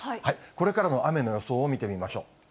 これからの雨の予想を見てみましょう。